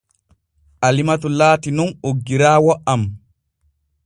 Alimatu laati nun oggiraawo am.